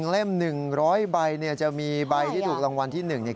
เล่ม๑๐๐ใบเนี่ยจะมีใบที่ถูกรางวัลที่๑เนี่ย